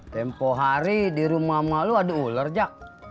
tempo hari di rumah mama lu ada ular jak